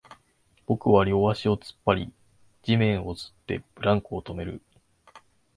僕は両足を突っ張り、地面を擦って、ブランコを止める